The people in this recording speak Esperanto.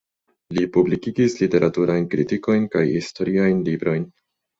Li publikigis literaturajn kritikojn kaj historiajn librojn.